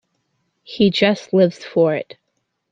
He just lives for it.